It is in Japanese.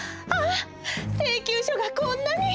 請求書がこんなに！